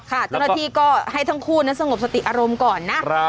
ค่ะจนทีก็ให้ทั้งคู่สงบสติอารมณ์ก่อนนะ